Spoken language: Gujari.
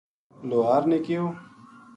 لوہار نے کہیو